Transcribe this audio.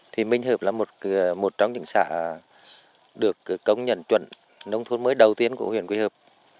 thì minh hợp là một trong những xã được công nhận chuẩn nông thôn mới đầu tiên của huyện quỳ hợp